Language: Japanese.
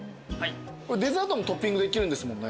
デザートもトッピングできるんですもんね。